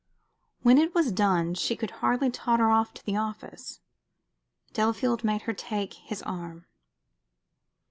When it was done she could hardly totter out of the office. Delafield made her take his arm.